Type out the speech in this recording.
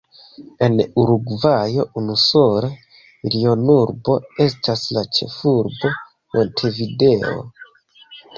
En Urugvajo unusola milionurbo estas la ĉefurbo Montevideo.